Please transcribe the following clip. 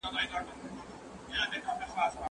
زه به سبا لوښي وچوم!